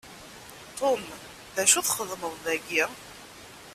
Tom, d acu txedmeḍ dagi?